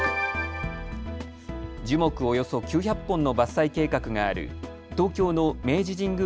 樹木およそ９００本の伐採計画がある東京の明治神宮